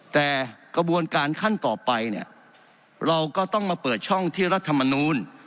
แต่กระบวนการขั้นต่อไปเนี่ยเราก็ต้องมาเปิดช่องที่รัฐมนูล